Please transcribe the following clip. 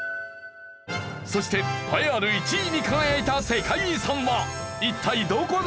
そして栄えある１位に輝いた世界遺産は一体どこなのか？